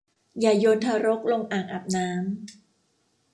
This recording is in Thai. อย่าโยนทารกลงอ่างอาบน้ำ